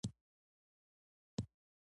مېلمه ته که ماشوم وي، هم عزت ورکړه.